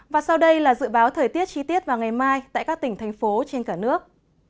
và sau đây là dự báo thời tiết chi tiết vào ngày mai tại các tỉnh thành phố trên cả nước